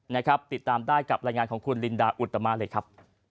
นะครับติดตามได้กับรายงานของคุณลินดาอุตมาเลยครับ